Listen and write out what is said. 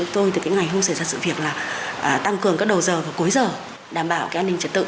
tôi từ cái ngày hôm xảy ra sự việc là tăng cường các đầu giờ và cuối giờ đảm bảo cái an ninh trật tự